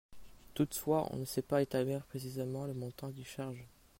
Toutefois on ne sait pas établir précisément le montant des charges.